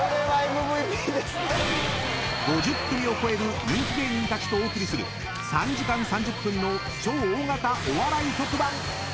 ［５０組を超える人気芸人たちとお送りする３時間３０分の超大型お笑い特番］